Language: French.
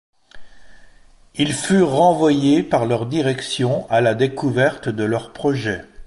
Ils furent renvoyés par leur direction à la découverte de leur projet.